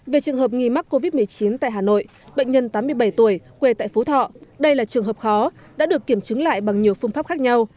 về trường hợp nghi mắc covid một mươi chín tại hà nội bệnh nhân tám mươi bảy tuổi quê tại phú thọ đây là trường hợp khó đã được kiểm chứng lại bằng nhiều phương pháp khác nhau